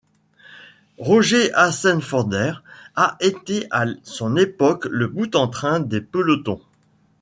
Roger Hassenforder a été à son époque le boute-en-train des pelotons.